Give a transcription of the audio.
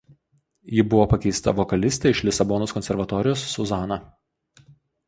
Ji buvo pakeista vokaliste iš Lisabonos konservatorijos Susana.